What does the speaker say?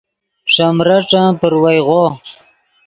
ݰے مریݯن پروئیغو